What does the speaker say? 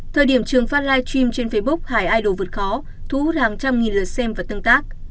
trường phát live stream trên facebook hải idol vượt khó thú hút hàng trăm nghìn lượt xem và tương tác